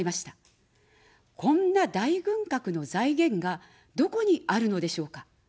こんな大軍拡の財源がどこにあるのでしょうか。